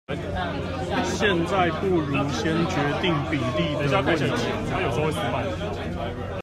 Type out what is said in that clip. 現在不如先決定比例的問題